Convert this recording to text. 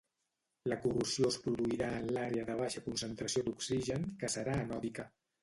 La corrosió es produirà en l'àrea de baixa concentració d'oxigen que serà anòdica.